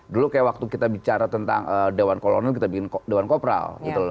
dulu kayak waktu kita bicara tentang dewan kolonel kita bikin dewan kopral gitu loh